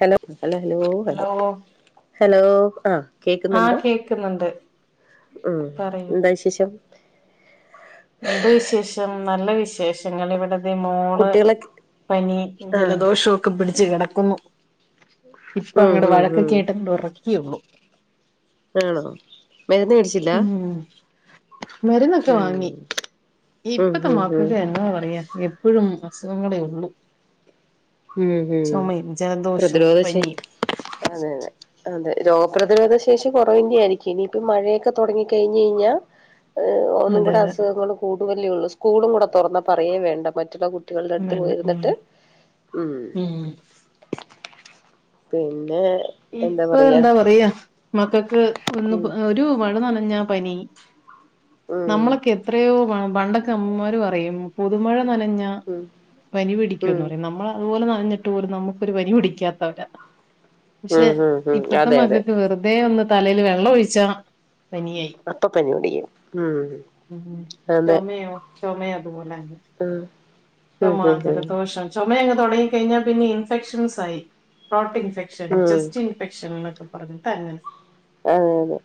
Hello hello hello hello ആഹ് ആഹ് കേക്ക്ന്ന്ണ്ടോ. കേക്കുന്നുണ്ട് ഉം പറയൂ എന്താ വിശേഷം? എന്ത് വിശേഷം നല്ല വിശേഷങ്ങള് വടെ ൻ്റെ മോള് കുട്ടികളെ പനി, ആ ജലദോശൊക്കെ പിടിച്ച് കെടക്കുന്നു. ഉം ഇപ്പങ്ങട് ഉം ഉം വഴക്കൊക്കെയിട്ടങ്ങട് ഒറക്ക്യേള്ളൂ. ആണോ മര്ന്ന് വെടിച് ഉം മര്ന്നൊക്കെ ഉം വാങ്ങി ഉം ഇപ്പത്തെ ഉം ഉം മക്കൊക്കെന്നാ പറയാ എ പ്പഴും അസുഖങ്ങളേ ഒള്ളൂ. ഉം ഉം ജലദോഷവും പ്രതിരോധശേ പനിയും അതെ യതെ. അതെ രോഗപ്രതിരോധ ശേഷി കൊറവെന്നേയിരിക്കും ഇനിയിപ്പം മഴയെക്കെ തൊടങ്ങി കഴിഞ്ഞഴിഞ്ഞാ ഏഹ് ഒന്നും അതെ കൂടെ അതെ അസുഖങ്ങള് കൂടുവല്ലേ ഒള്ളൂ സ്കൂളും കൂടെ തൊറന്ന പറയേ വേണ്ട മറ്റുള്ള കു ട്ടികള്ടെ അട്ത്ത് വേണ്ട ഉം പോയിര്ന്ന്ട്ട് ഉം പിന്നെ ഇപ്പൊ എന്താ പറയാ മക്കക്ക് ഒന്നുപ ഉം ഒരു മഴ നനഞ്ഞ പനി ഉം നമ്മളൊക്കെത്രയോ പണ്ടൊക്കെ അമ്മമാര് പറയും പുതുമഴ നനഞ്ഞ ഉം പനി ഉം പിടിക്ക്യുന്ന് പറയിം നമ്മള അതുപോലും നനഞ്ഞിട്ട് പോലും നമുക്കൊരു പനി പിടിക്കാത്തവരാ. പക്ഷെ ഉം ഉം ഉം ഇപ്പത്തെ അതെ അതെ മക്കക്ക് വെറ്തെ ഒന്ന് തലേല് വെള്ള ഒഴിച്ചാ പനിയായി അപ്പ പനി പിടിക്കും ഉം ഉം അതെ ചൊമയോ ചൊമയു അത്പോലെന്നെ ഉം ഉം ചൊമാ, ഉം ഉം ജലദോഷം ചൊമ യങ്ങ് തൊടങ്ങി കഴിഞ്ഞാ പിന്നെ ഇൻഫെക്ഷൻസായി തോട്ടിൻഫെക്ഷൻ ഉം ചെസ്റ്റ്ൻ ഫെക്ഷൻ ന്നൊക്കെ പറഞ്ഞ്ട്ടങ്ങനെ അങ്ങനെ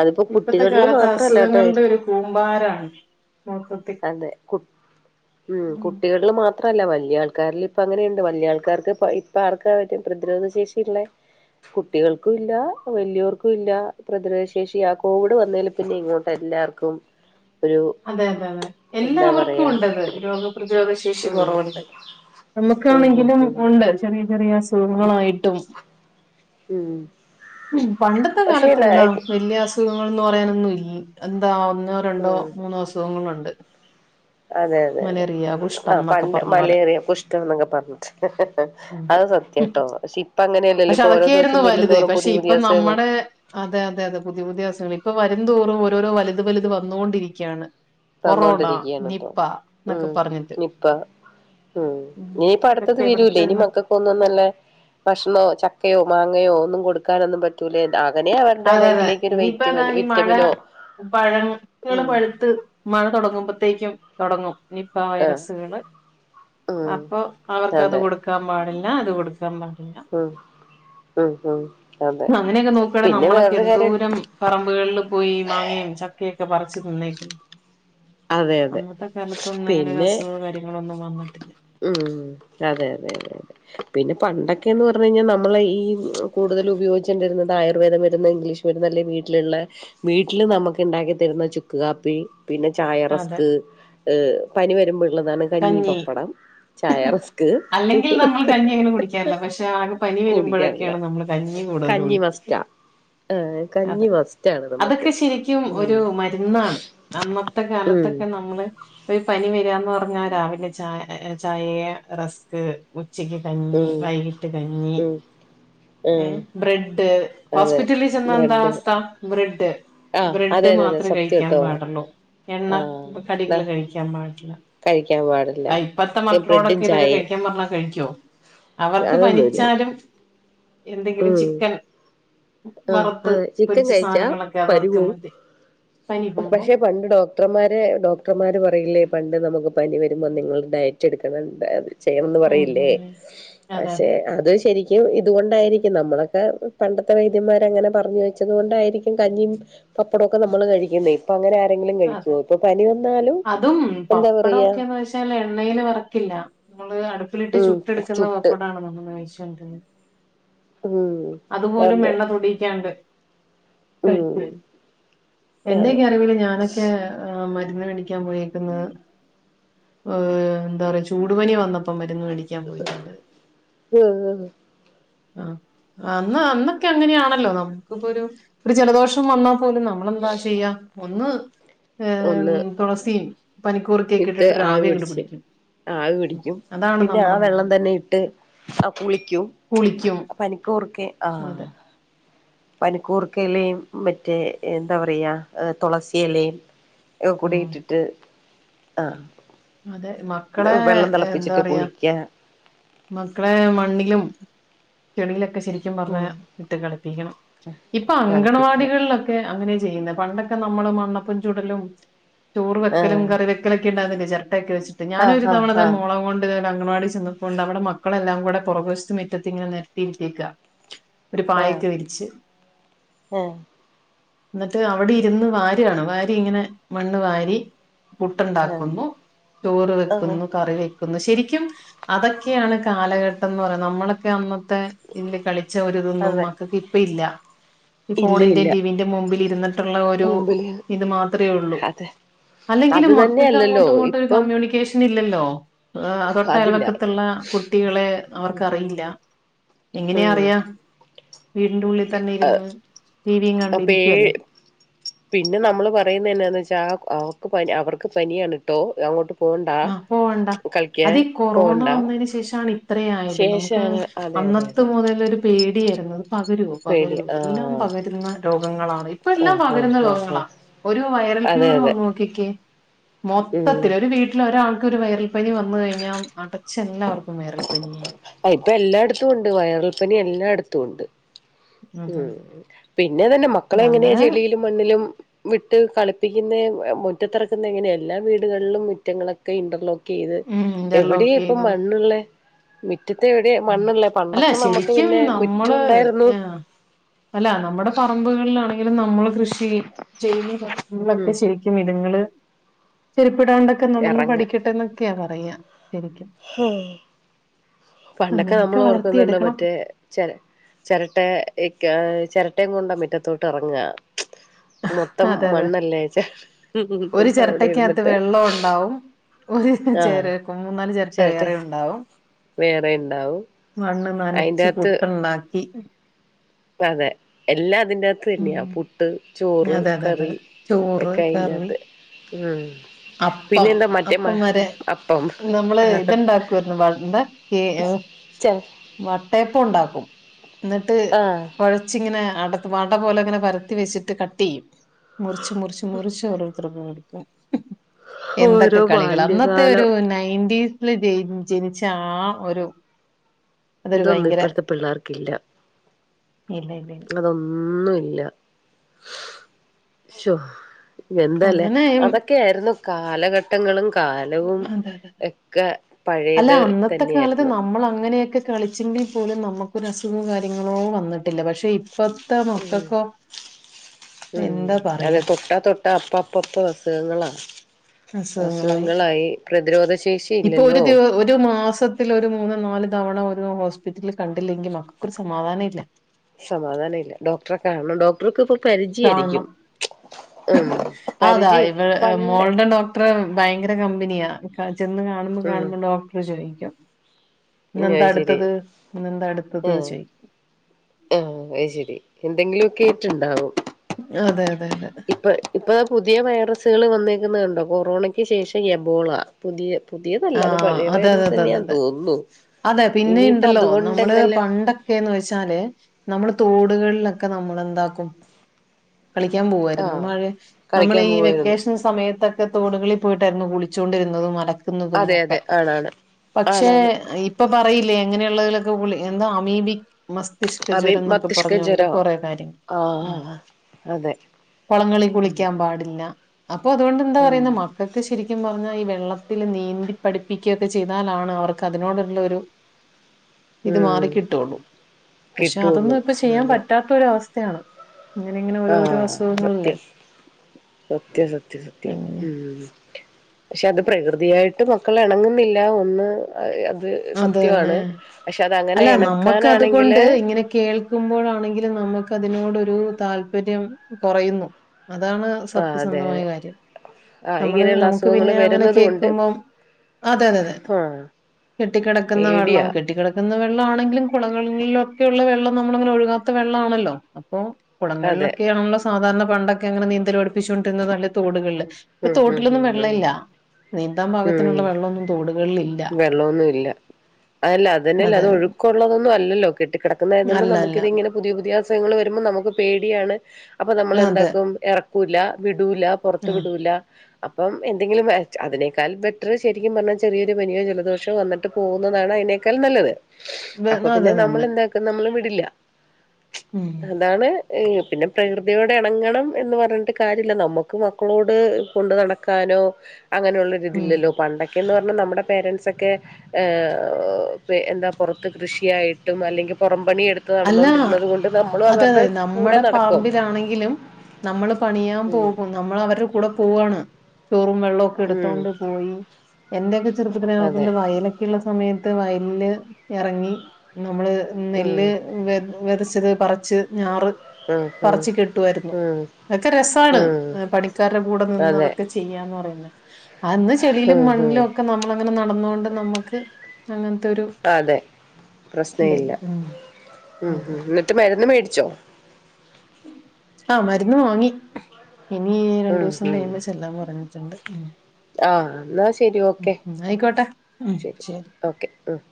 അതിപ്പോ ഇപ്പത്തെ കുട്ടികളില് കാലത്ത് മാത്രല്ലാട്ടോ അസുഖങ്ങളുടെ ഒരു കൂമ്പാരാണ് മൊത്ത അതെ കു ഉം കുട്ടികൾള് മാ ത്രല്ല വല്ല്യാൾക്കാരിലിപ്പങ്ങനെയിണ്ട് വല്യാൾക്കാർക്ക്പ്പ ഇപ്പർക്കാ വെല്യ പ്രതിരോധ ശേഷിള്ളേ? കുട്ടികൾക്കുല്ല വല്യോർക്കുല്ല പ്രതിരോധ ശേഷി ആ കോവിഡ് വന്നേല് പിന്നെയിങ്ങോട്ട് എല്ലാർക്കും ഒരു അതെ യതെ യതെ എന്താ എല്ലാവർക്കും പറയാ ഉണ്ടത് രോഗപ്രതിരോധ ശേഷി ഉം കൊറവ്ണ്ട്. ഉം ഉം നമ്മക്കാണെങ്കിലും ഉം ഉണ്ട് ചെറിയ ചെറിയ അസുഖങ്ങളായിട്ടും ഉം ഉം പണ്ടെത്തെ പക്ഷേ ന കാലത്തെന്താ വെല്യ അസ് അസുഖങ്ങളെന്ന് പറയാനൊന്നുൽ എന്താ ഒന്നോ രണ്ടോ ഉം മൂന്നോ അസുഖങ്ങളുണ്ട്. അതെ യതെ യതെ മലേറിയ കുഷ്ഠം ആഹ് എന്നൊക്കെ പണ്ട് പറഞ്ഞ പോലെ മലേറിയ, കുഷ്ടം ന്നൊക്കെ പർഞ്ഞ്ട്ട് ഉം. അത് സത്യാ ട്ടോ പക്ഷെ ഇപ്പങ്ങനെയല്ലല്ലോ പക്ഷെ ഇപ്പൊ രോ അതൊക്കെയായിരുന്നു ദിവസം ചെല്ലും വലുത് തോറും പക്ഷെ പുതിയ ഇപ്പൊ പുതിയ അസുഖങ്ങളാ നമ്മുടെ അതെ അതെ അതെ പുത്യേ പുത്യേ അസുഖങ്ങള് ഇപ്പൊ വരുംന്തോറും ഓരോരോ വല്ത് വല്ത് വന്നോണ്ടിരിക്ക്യാണ്. കൊറോണ, തന്നോണ്ടിരിക്കയാണ് ഇപ്പൊ നിപ്പ ഉം ന്നൊക്കെ പർഞ്ഞിട്ട്. നിപ്പ ഉം ഇനിയിപ്പട്ത്തത് വെരൂലെ ഇനി ചെന്ന് മക്ക ക്കൊന്നും നല്ല ഭക്ഷണോ ചക്കയോ മാങ്ങയോ ഒന്നും കൊടുക്കാനൊന്നും പറ്റൂലേ. [unintelligible] അങ്ങനെ അവൻ അതെ അതെ ഇനിയിപ്പോ ഇതാ ഈ മഴ പഴങ്ങൾ ഉം പഴുത്ത് മഴ തൊടങ്ങുമ്പോത്തേക്കും തൊടങ്ങും നിപ്പ ആ വൈറസുകള് ഉം അപ്പൊ അവർക്കത് അതെ കൊടു ക്കാൻ പാടില്ല അത് കൊടുക്കാൻ പാട ഉം ഉം ഉം അതെ അങ്ങനെയൊക്കെ നോക്കുകയാണെ പിന്നെ നമ്മളൊക്കെ വേറൊരു കാര്യണ്ട് എന്തോരം പറമ്പുകളിൽ പോയി മാങ്ങയും ചക്കയൊക്കെ പറിച്ച് തിന്നേക്ക്‌ അതെ അതെ അന്നത്തെ കാലത്തൊന്നും അങ്ങനെ പിന്നെ അസുഖോ കാര്യങ്ങളോ ഒന്നും വന്നിട്ടില്ല ഉം അതെ അതെ അതെ അതെ പിന്നെ പണ്ടൊക്കെ എന്ന് പറഞ്ഞു കഴിഞ്ഞാ നമ്മൾ ഈ കൂടുതൽ ഉപയോഗിച്ചുകൊണ്ടിരുന്നത് ആയുർവേദ മരുന്ന് ഇംഗ്ലീഷ് നല്ല വീട്ടിലുള്ള വീട്ടിൽ നമുക്ക് ഇണ്ടാക്കി തരുന്ന ചുക്ക് കാപ്പി പിന്നെ ചായ അതെ റസ്ക് ഏഹ് പനി വരുമ്പോള്ളതാണ് കഞ്ഞി പപ്പടം ഹ് ചായ ഹ് റസ്ക് അല്ലെങ്കിൽ നമ്മൾ കഞ്ഞി അങ്ങനെ കുടിക്കാറില്ല പക്ഷെ ആകെ പനി വരുമ്പോഴൊക്കെ കുടിക്കാറില്ല യാണ് നമ്മള് കഞ്ഞി കൂടുതൽ കഞ്ഞി കുടിക്ക മസ്റ്റാ ഏഹ് കഞ്ഞി അതെ മസ്റ്റാണ് നമുക്ക് അതൊക്കെ ശരിക്കും ഉം ഒരു മരുന്നാണ് അന്നത്തെ ഉം കാലത്തൊക്കെ നമ്മള് ഇപ്പൊ ഈ പനി വരാന്ന് പറഞ്ഞാ രാവിലെ ചാ ചായ റസ്ക് ഉച്ചക്ക് കഞ്ഞി ഉം വൈകിട്ട് കഞ്ഞി ഉം ആഹ് ഏഹ് ബ്രെഡ് അതെ ഹോസ്പിറ്റലില് ചെന്ന എന്താ ബ്രെഡ് അവസ്ഥ ബ്രെഡ് ആഹ് അതെ ബ്രെഡ് അതെ അതെ മാത്രേ സത്യം കഴിക്കാൻ ട്ടോ പാടുള്ളൂ ആഹ് ന്നാ എണ്ണകടികള് കഴിക്കാൻ പാടില്ല കഴിക്കാൻ പാട് ആയ് ഇപ്പത്തെ മക്കളോടൊക്കെ ഇതൊക്കെ കഴിക്കാൻ പറഞ്ഞാൽ കഴിക്കോ അവർക്ക് അതൊന്നുല്ല പനിച്ചാലും എന്തെങ്കിലും ഉം ചിക്കൻ ആഹ് വറത്ത് അതെ ചിക്കൻ പൊരിച്ച കഴിച്ചാ സാനങ്ങളൊക്കെ പനി അവർക്ക് [unintelligible] പോവും മതി പനി പോകും പക്ഷെ പണ്ട് ഡോ ഡോക്ടർമാര് ഡോക്ടർമാര് പറയില്ലേ പണ്ട് നമുക്ക് പനി വരുമ്പോൾ നിങ്ങൾ ഡയറ്റ് എടുക്കണ്ണം ചെയ്യണന്ന് ഉം പറയില്ലേ ഉം അതെ പക്ഷെ അതെ അത് ശരിക്കും ും ഇതുകൊണ്ടായിരിക്കും നമ്മളൊക്കെ പണ്ടത്തെ വൈദ്യന്മാര അങ്ങനെ പറഞ്ഞു വെച്ചത് കൊണ്ടായിരിക്കും കഞ്ഞിയും പപ്പടമൊക്കെ നമ്മ നമ്മള് കഴിക്കുന്ന ഇപ്പ അങ്ങനെ ആരെങ്കിലും അതെ. കഴിക്കുമോ ഇപ്പൊ പനി വന്നാലും എന്താ പറയാ പക്ഷല്ല എണ്ണയില് വറക്കില്ല നമ്മള് അടുപ്പിലിട്ട് ഉം ചുട്ട് എടുക്കുന്ന ചുട്ട് പപ്പടാണ് നമ്മൾ കഴിച്ചോണ്ടത് ഉം അതുപോലും അതെ എണ്ണ തൊടിക്കാണ്ട് ഉം കഴിക്കെ അതെ എന്റെക്കെ അറിവില് ഞാനൊക്കെ ഹേം മരുന്ന് മേടിക്കാൻ പോയേക്കുന്നു ഏർ എന്താ പറയാ ചൂടുപനി വന്നപ്പോ മരുന്ന് വേടിക്കാൻ പോയിട്ടുണ്ട് ആ അന്ന് അന്നൊക്കെ അങ്ങനെയാണല്ലോ നമുക്കിപ്പോ ഒരു ജലദോഷം വന്നാ പോലും നമ്മളെന്താ ചെയ്യ ഒന്ന് ഏഹ്, ഒന്ന് തുളസിയും പനിക്കൂറിക്കൊക്കെ ഇട്ട് ഇട്ടിട്ട് ആവി ഓരാവീ അങ്ങോട്ട് പിടിച്ച് പിടിക്കും ആവി ഉം. പിടിക്കും അതാണ് പിന്നെ ആ നമ്മുടെ വെള്ളം മരുന്ന് തന്നെ ഇട്ട് ആ കുളിക്കും കുളിക്കും പനിക്കൂർക്കെ അതെ ആഹ പനിക്കൂർക്കയിലയും മറ്റേ എന്താ പറയാ തുളസിയിലും ഒ കൂടി ഉം ഇട്ടിട്ട് ആഹ അതെ മക്കളെ തിളപ്പിച്ചിട്ട് എന്തറിയാ കുളിക്ക മക്കളെ മണ്ണിലും ചെളിയിലൊക്കെ ശരിക്കും പറഞ്ഞ ഉം വിട്ട് കളിപ്പിക്കണം ഇപ്പൊ തണുപ്പിക്കണം അങ്കണവാടികളിലൊക്കെ ക്ക് അങ്ങനെ ചെയ്യ്ന്നേ പണ്ടൊക്കെ നമ്മള് മണ്ണപ്പും ചുടലും ചോറ് വെക്കലും ആഹ് കറി വെ ക്കലൊക്കെണ്ടാര്ന്നില്ലേ ചിരട്ട ഒക്കെ വെച്ചിട്ട് ഞാനൊരു ആഹ് തവണതെ ആഹ് മോളോം കൊണ്ട് ട്ട് അംഗൻവാടി ചെന്നപ്പോൊണ്ട് അവിടെ മക്കളെല്ലാം കൂടെ പുറകുവശത്തും മുറ്റത്തിങ്ങനെ നിരത്തി വിട്ടേക്ക ഒരു പായക്കെ വിരിച്ച് ഏഹ് ഇന്നട്ട് അവിടെ ഇരുന്ന് വാരിയാണ് വാരി ഇങ്ങനെ മണ്ണ് വാരി ആഹ് പുട്ടുണ്ടാക്കുന്നു ചോറ് ആഹ് ആഹ് വെക്കുന്നു കറി വെ ക്കുന്നു ശരിക്കും അതൊക്കെയാണ് കാലഘട്ടംന്ന് പറയുന്നത് നമ്മളൊക്കെ അന്നത്തെ ഇതില് കളി ച്ചവര് തിന്നും അതെ മക്കക്ക് ഇപ്പ ഇല്ല ഈ ഇല്ല ഫോണിന്റെ ഇല്ല ടിവിന്റെ മുമ്പിൽ ഇരുന്ന് ട്ട് ള്ളോരു മുമ്പില് ഇത് മാത്രേ ഉള്ളൂ അതെ അത് അല്ലെങ്കിലും മക്കൾക്ക് തന്നെയല്ലല്ലോ അങ്ങോട്ടും ഇങ്ങോ ട്ട് ഇപ്പം കമ്മ്യൂണിക്കേഷൻ ഇല്ലല്ലോ ഏഹ് തൊട്ട അതില്ല അയൽവക്കത്തുള്ള കുട്ടികളെ അവർക്ക്റിയില്ല എങ്ങനെയ ഉം അറിയാ വീടിന്റെ ഉള്ളിൽ തന്നെ ഇരുന്ന് ടിവിയും അപ്പൊ കണ്ടിരിക്കു അല്ലേ ഏ പിന്നെ നമ്മള് പറയുന്ന എന്നാന്ന് വെച്ചാ ആ അവക്ക് പന് അവർക്ക് പനിയാണ്ട്ടോ അങ്ങോട്ട് പോണ്ട ആഹ് പോവണ്ട കളിക്കാൻ അതീ കൊറോണ പോണ്ട വന്നയ്ന് ശേഷാണ് ഇത്ര ആയത് നമുക്ക് ശേഷാണ് അതെ അതെ അന്നത്തെ അതെ മുതൽ ഒരു പേടിയായിരുന്നു പകരോ പകരോ പേടിയ എല്ലാം ആഹ് പകരുന്ന രോഗങ്ങളാണ് ഇപ്പ എല്ലാം ആഹ് പകരുന്ന ആഹ് ആഹ് ആഹ് രോഗങ്ങളാ ഒരു വൈറൽ അതെ ഫീവർ അതെ വന്ന് നോക്കിക്കേ ഉം മൊത്തത്തി ഒരു വീട് ട്ട്ലെ ഒരാൾക്കൊരു വയരൽപ്പനി വന്ന് കഴിഞ്ഞാ അടച്ചല്ലാവർക്കും വൈറൽപ്പനിയായി ഇപ്പൊ എല്ലായിടത്തും ഉണ്ട് വയറിൽപ്പനി എല്ലായിടത്തും ഉണ്ട് അതെ ഉം പിന്നെ തന്നെ അല്ല മക്കളെ എങ്ങനെയാ അങ്ങനെ ചെളിയിലും മണ്ണിലും വിട്ട് കളിപ്പിക്കുന്ന മുറ്റത്തിറക്കുന്ന എങ്ങനെ എല്ലാ വീടുകളിലും മുറ്റങ്ങളൊക്കെ ഇന്റർലോ ക്കെയ്ത് ഉം ഇന്റർലോക്ക് എവിടെയ ഇപ്പ ചെയ്തു. മണ്ണുള്ളേ മിറ്റത്തെ എവിടെയ ഉം. മണ്ണുള്ളേ അല്ല പണ്ടൊക്കെ നമ്മുക്ക് ശരിക്കും പിന്നെ നമ്മള് മുറ്റുണ്ടായിരുന്നു ഏഹ് അല്ല നമ്മുടെ പറമ്പുകളിലാണെങ്കിലും നമ്മള് കൃഷി ചെയ്യുന്ന ഉം ക്കെ ചെ ക്കും ഇത്ങ്ങള് ചെരിപ്പിടാണ്ടൊക്കെ നടന്ന് ഇറങ്ങ പഠിക്കട്ടെന്നൊക്കെയാ പറയാ ശരിക്കും ഹും പണ്ടൊക്കെ അങ്ങനെയൊക്കെ നമ്മളോർക്കുന്നുണ്ട് വളർത്തിയെടുക്കണം മറ്റേ ചെര ചെരട്ടെ ചെരട്ടയും കൊണ്ടാ മിറ്റത്തോട്ടെറങ്ങ മൊത്തം അതെ അതെ മണ്ണല്ലേ ച ഒരു വടെ ചിരട്ടയ്ക്കകത്ത് ഇരുന്നിട്ട് വെള്ളം ഉണ്ടാവും ഒരു ആഹ് ചേരട്ട മൂന്നാല് ചെരട്ട ചിരട്ട വേറെയുണ്ടാവും വേറെ ഉണ്ടാവും മണ്ണ് നനച്ച് അയിന്റകത്ത് പുട്ട്ണ്ടാക്കി അതെ എല്ലാതിന്റെ ഉം. പ്പല്ല്യാ പുട്ട് ചോറ് അതെ അതെ അതെ കറി ചോറ് കറി ഒക്കെയ്നാത്ത് ഉം അപ്പം പിന്നെ എന്താ മറ്റേ മ അപ്പം വരെ അപ്പം നമ്മള് ഇത്ണ്ടാക്കുവാരുന്നു മണ്ണ് കേ ഒ ച വട്ടയപ്പോണ്ടാക്കും ന്നിട്ട് ആഹ് കൊഴച്ചിങ്ങനെ അട വട പോലെ ങ്ങനെ പരത്തി വെച്ചിട്ട് കടട്ടെയ്യും മുറിച്ച് മുറിച്ച് മുറിചോരോ [unintelligible] ക്കും എന്തൊക്കെ ഓരോ കളികളാ അന്നത്തെ ഒരു ബാല്യകാലം നയന്റി ല് ജെയ് ജനിച്ച ആ ഒരു അതൊരു തൊന്നും ഭയങ്കര ഇപ്പഴ്ത്തെ പിള്ളേർക്കില്ല ഇല്ലയില്ല അതൊന്നുംല്ല ശോ എന്തല്ലേ അങ്ങനെ ഉം, അതൊക്കെയായ്ര്ന്നു കാലഘ ട്ടങ്ങളും കാലവും അതെ അതെ ഒക്കെ പഴയത് തന്നെയായിര്ന്നു നമ്മളങ്ങനെയൊക്കെ കളിച്ചെങ്കിൽ പോലും നമുക്കൊരസുഖോ കാര്യങ്ങളോ വന്നിട്ടില്ല പക്ഷെ ഇ പ്പത്തെ ഉം മക്കക്കോ എന്താ പറയാ അപ്പപ്പപ്പ അസുഖങ്ങളാ അസുഖങ്ങളായി പ്രതിരോധ ശേഷിയില്ലല്ലോ രു മാസത്തിലൊരു മൂന്ന് നാല് തവണ ഒരു ഹോസ്പിറ്റലി കണ്ടില്ലെങ്കി മക്കക്കൊരു സമാധാനവില്ല സമാധാനവില്ല ഡോക്ടറെ കാണണം ഡോ ടർക്പ്പം പരിചയാരിക്കും കാണണം ഉം പരിചയ പണ്ട് ട്ര ഭയങ്കര കമ്പനിയാ ചെന്ന് കാണുമ്പോ ഉം കാണുമ്പോ ഡോക്ടർ ചോയിക്കും ന്നെന്താ അത് ശരി അട്ത്തത് ന്നെന്താ അട്ത്തത് ആഹ് ചോയ്ക്കും ആഹ് അയ്ശരി എന്തെങ്കിലൊക്കായ്റ്റ്ണ്ടാവും അതെയതെയതെ ഇപ്പ ഇപ്പാ പുതിയ വൈറസ്കള് വന്നേക്കുന്ന കണ്ടോ കൊറോണയ്ക്ക് ശേഷം യബോള പുതിയ പുതിയതല്ല ആ അത് പഴയ അതെ അതെ അതെ അതെ വൈറസന്നെയാന്ന് അതെ തോന്നുന്നു അതെ ഇനിയിപ്പ പിന്നിണ്ടല്ലോ അതുകൊണ്ട് നമ്മള് എന്തെല്ലാം പണ്ട ക്കെന്ന് വെച്ചാല് നമ്മള് തോടുകളിലൊക്കെ നമ്മളെന്താക്കും കളിക്കാമ്പോവായിരുന്നു ആഹ് മഴ കളിക്കാൻ നമ്മളീ പോവായിരുന്നു വെക്കേഷൻസ് സമയത്തൊക്കെ തോടുകളി പോയിട്ടായിരുന്നു കുളിച്ചോണ്ടിരുന്നതും അല ക്കുന്നതും അതെ ഒക്കെ അതെ ആണാണ് പക്ഷേ ആണാണ് ഇ പ്പൊ പറയില്ലേ അങ്ങനെയുള്ളതിലൊക്കെ കുളി എന്താ അമീബി മസ് അമീ തിഷ്കജ്വരം ന്നൊക്കെ മസ്തിഷ്ക പറഞ്ഞോണ്ട് ജ്വരോ കൊറെ കാര്യം ആഹ് അതെ കൊളങ്ങളി കുളിക്കാമ്പാടില്ല അപ്പതോണ്ടെന്താ ഉം പറയുന്നെ മക്കക്ക് ശരിക്കുമ്പറഞ്ഞാ ഈ വെള്ള ത്തില് നീന്തി പഠിപ്പിക്കൊക്കെ ചെയ്താലാണ് അവർക്കതിനോടുള്ള ഒരു ഇത് ഉം മാറിക്കിട്ടൊള്ളൂ പക്ഷെ കിട്ടുള്ളൂ അതൊന്നും ഇപ്പൊ ചെയ്യാൻ അതെ പറ്റാത്തൊരവസ്ഥയാണ് ആ സത്യം സത്യം സത്യം സത്യം എങ്ങനെയാ ഉം പക്ഷെ അത് പ്രകൃതിയായിട്ട് മക്കളെണങ്ങ്ന്നില്ല ഒന്ന് അത് അത് തന്നെ സത്യമാണ് പക്ഷെ അതങ്ങനെ അല്ല നമ്മക്കത് കൊണ്ട് ഇണക്കാനാണെങ്കില് ഇങ്ങനെ കേൾ ക്കുമ്പോഴാണെങ്കിലും നമുക്കതിനോടോരു താല്പര്യം കൊറയുന്നു അതാണ് ആഹ് അതെ സത്യസന്ധമായ അതെ കാര്യം ആഹ് നമ്മള് ഇങ്ങനെയുള്ള നമുക്ക് അസുഖങ്ങൾ പിന്നെ അങ്ങനെ വരുന്നത് കൊണ്ട് കേക്കുമ്പോ അതെ അതെതെ ആഹ് കെട്ടിക്കിടക്കുന്ന വെള്ളം പേടിയാ കെട്ടി - കെട്ടി കിടക്കുന്ന വെള്ള ആണെങ്കിലും കൊളകങ്ങളിലൊക്കെ ഉള്ള വെള്ളം നമ്മളങ്ങനെ ഒഴുകാത്ത വെള്ളാണല്ലോ അപ്പൊ അതെ കുളങ്ങളിലൊക്കെയാണല്ലോ സാധാരണ പണ്ടൊക്കെ അങ്ങനെ നീന്തൽ പടിപ്പിച്ച് കൊണ്ടിരുന്നത് അല്ലെ തോടുകളില് ശ് ഇപ്പ ഉം ഉം തോട്ടിലൊന്നും വെള്ള ഉം ഇല്ല നീന്താൻ പാകത്തിനുള്ള വെള്ള ഒന്നും തോടുകളിൽ ഇല്ല വെള്ളോന്നു ഇല്ല അല്ല അതെന്നെല്ല അതെ അത് അതെ ഒഴുക്കൊള്ളള്ളതൊന്നു അല്ലല്ലോ കെട്ടി കെടക്കുന്നായ തോണ്ട് അല്ല നമുക്ക് അല്ല ഇത് ഇങ്ങനെ പുതിയ പുതിയ അസുഖങ്ങൾ വരുമ്പൊ നമുക്ക് പേടിയാണ് അപ്പൊ നമ്മൾ അതെ എന്താക്കും എറക്കൂല വിടൂല പുറത്ത് ആ വിടൂല അപ്പം എന്തെങ്കിലും വെച്ച് അതിനേക്കാൾ ബെറ്റർ ശരിക്കും പറഞ്ഞാൽ ചെറിയ ത് പനിയോ ജലദോഷോ വന്നിട്ട് പോവുന്നതാണ് അയിനേക്കാൽ നല്ലത് വെ- അപ്പൊ അത് പിന്നെ നമ്മൾ തന്നെ എന്ത ഇത് നമ്മള് വിടില്ല ഉം അതാണ് ഇ പിന്നെ പ്രകൃതിയോടെ ഇണങ്ങണം എന്ന് പറഞ്ഞിട്ട് കാര്യം ഇല്ല നമ്മക്ക് മക്കളോട് കൊണ്ട് നട - ക്കാനോ അങ്ങനെയുള്ള ഉം ഒരിതില്ലല്ലോ പണ്ടൊക്കെന്ന് പറഞ്ഞ നമ്മുടെ പേരന്റ്സൊക്കെ ഏഹ് - എന്താ പൊറത്ത് കൃഷിയായിട്ടും അല്ലെങ്കി പൊറം പണിയെടു - അല്ല അത് കൂടെ നമ്മടെ നടക്കും പറമ്പിലാണെങ്കിലും നമ്മള് പണിയാൻ ഉം പോകും നമ്മള് അവര്ടെ കൂടെ പോവാണ് ചോറും വെള്ളോക്കെ ഉം എടുത്തോണ്ട് പോയി എന്റെയൊക്കെ ചെറുപ്പത്തിന് ന അതെ നോക്കുമ്പം വയലൊക്കെ കിള്ള സമയത്ത് വയലില്ല് എറങ്ങി നമ്മള് ഉം നെല്ല് വെതച്ചത് പറച്ച് ഞാറ് ഉം ഉം പറച്ച് കെട്ടുവാരുന്നു ഉം അതൊക്കെ രസാണ് ഉം ആഹ് പണിക്കാരുടെ കൂടെ നിന്ന് അതെ അതൊക്കെ ചെയ് - യ്യാന്ന് പറയുന്നെ അന്ന് ചെളിലും ഉം ഉം മണ്ണിലൊക്കെ നമ്മ - അങ്ങനെ നടന്നോണ്ട് നമ്മക്ക് അങ്ങനത്തെ ഒരു അതെ പ്രശ്ന ഇല്ല ഇതായിരുന്നു ആഹ് ഉം ഉം എന്നിട്ട് മരുന്ന് മേടിച്ചോ ആഹ് മരുന്ന് വാങ്ങി ഇനി ഉം രണ്ടുസം ഉം കഴിയുമ്പോ ചെല്ലാൻ പറഞ്ഞിട്ടൊണ്ട് ആഹ് എന്ന ശരി ഓക്കെ ആയിക്കോട്ടെ ഉം ശരി ഓക്കെ ഉം